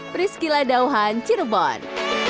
priscila dauhan cirebon